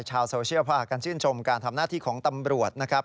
ชาวโซเชียลพากันชื่นชมการทำหน้าที่ของตำรวจนะครับ